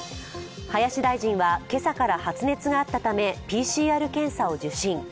林大臣は今朝から発熱があったためＰＣＲ検査を受診。